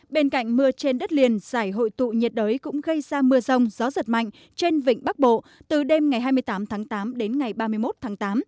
bên cạnh mưa trên đất liền giải hội tụ nhiệt đới cũng gây ra mưa rông gió giật mạnh trên vịnh bắc bộ từ đêm ngày hai mươi tám tháng tám đến ngày ba mươi một tháng tám